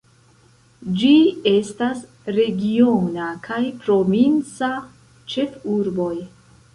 Ĝi estas regiona kaj provinca ĉefurboj.